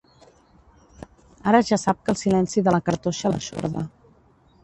Ara ja sap que el silenci de la cartoixa l'eixorda.